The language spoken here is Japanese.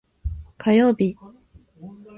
火曜日